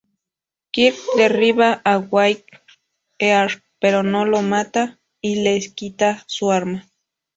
Kirk derriba a Wyatt Earp pero no lo mata y le quita su arma.